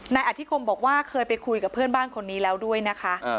นายอธิคมบอกว่าเคยไปคุยกับเพื่อนบ้านคนนี้แล้วด้วยนะคะ